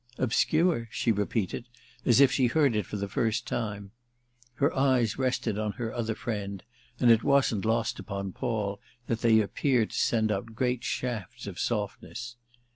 "Obscure?" she repeated as if she heard it for the first time. Her eyes rested on her other friend, and it wasn't lost upon Paul that they appeared to send out great shafts of softness.